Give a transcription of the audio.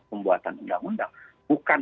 pembuatan undang undang bukan